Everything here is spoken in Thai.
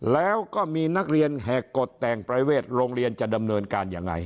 แล้วก็มีนักเรียนแหกกฎแต่งประเวทโรงเรียนจะดำเนินการยังไง